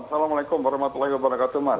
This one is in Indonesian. assalamualaikum warahmatullahi wabarakatuh